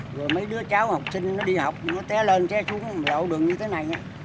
rồi mấy đứa cháu học sinh nó đi học nó té lên té xuống lộ đường như thế này